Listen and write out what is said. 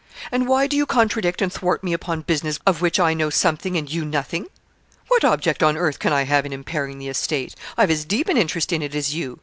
'And why do you contradict and thwart me upon business of which I know something and you nothing? What object on earth can I have in impairing the estate? I've as deep an interest in it as you.